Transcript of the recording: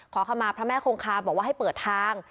ขอเข้ามาพระแม่คงคาบอกว่าให้เปิดทาง